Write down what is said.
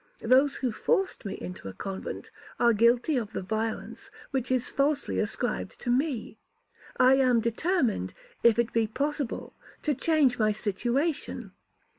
Those who forced me into a convent, are guilty of the violence which is falsely ascribed to me. I am determined, if it be possible, to change my situation.